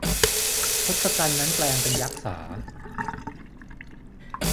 ทศกัณฐ์นั้นแปลงเป็นยักษา